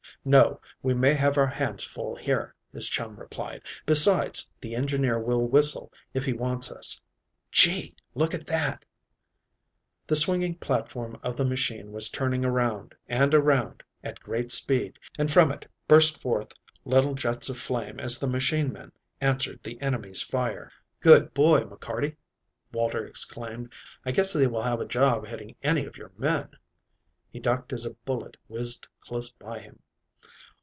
"No, we may have our hands full here," his chum replied. "Besides, the engineer will whistle if he wants us. Gee, look at that!" The swinging platform of the machine was turning around and around at great speed and from it burst forth little jets of flame as the machine men answered the enemy's fire. "Good boy, McCarty," Walter exclaimed. "I guess they will have a job hitting any of your men." He ducked as a bullet whizzed close by him.